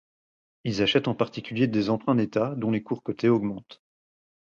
Ils achètent en particulier des emprunts d'État, dont les cours cotés augmentent.